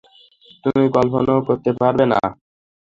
তুমি কল্পনাও করতে পারবে না।